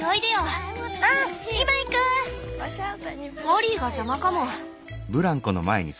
モリーが邪魔かも。